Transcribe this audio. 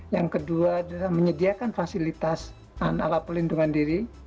yang kedua adalah menyediakan fasilitas alat pelindungan diri